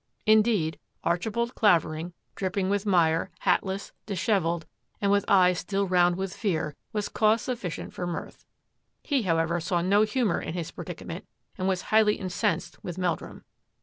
Indeed, Archibald Clavering, dripping with mire, hatless, dishevelled, and with eyes still round with fear, was cause sufficient for mirth. He, how ever, saw no humour in his predicament and was highly incensed with Meldrum.